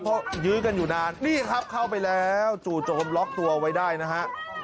เพราะยื้อกันอยู่นานนี่ครับเข้าไปแล้วจู่โจมล็อกตัวไว้ได้นะฮะ